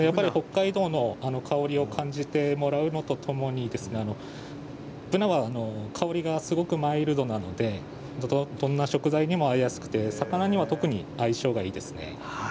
北海道の香りを感じてもらうのとブナは香りがすごくマイルドなのでどんな食材にも合いやすく魚には特に相性がいいですね。